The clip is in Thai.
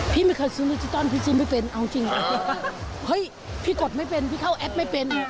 พี่กฏไม่เป็นพี่เข้าแอบไม่เป็น